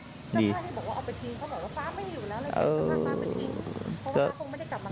ถ้าถ้าที่บอกว่าเอาไปทิ้งเค้าบอกว่าฟ้าไม่อยู่แล้วเลยแต่ว่าฟ้าเป็นอิงเพราะว่าฟ้าคงไม่ได้กลับมา